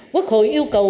quốc hội yêu cầu